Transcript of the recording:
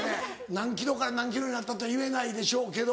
何ｋｇから何ｋｇになったとは言えないでしょうけど。